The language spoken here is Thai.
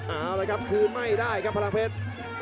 เอาละครับคืนไม่ได้ครับพลังเพชร